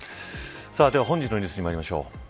では、本日のニュースにまいりましょう。